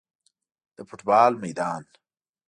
د فوټبال میدان